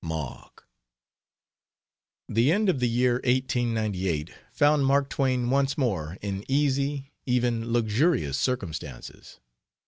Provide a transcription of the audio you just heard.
MARK. The end of the year 1898 found Mark Twain once more in easy, even luxurious, circumstances.